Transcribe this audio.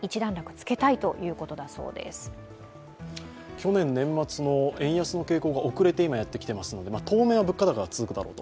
去年年末の円安の傾向が遅れて今、やってきてますので当面は物価高が続くだろうと。